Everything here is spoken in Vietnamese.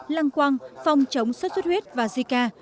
lăng quăng phòng chống xuất xuất huyết và zika